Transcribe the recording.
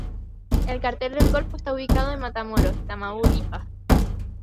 El Cártel del Golfo está ubicado en Matamoros, Tamaulipas.